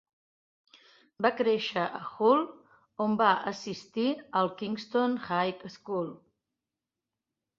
Va créixer a Hull, on va assistir al Kingston High School.